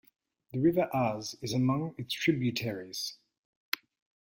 The river Arz is among its tributaries.